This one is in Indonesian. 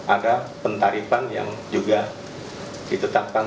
ada pentarifan yang juga ditetapkan